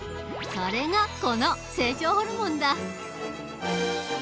それがこの成長ホルモンだ。